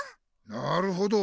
なるほど。